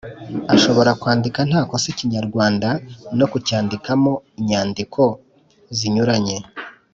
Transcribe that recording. ashobora kwandika nta kosa ikinyarwanda no kucyandikamo inyandiko zinyuranye;